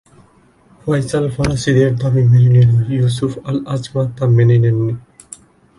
ফয়সাল ফরাসিদের দাবি মেনে নিলেও ইউসুফ আল-আজমা তা মেনে নেননি।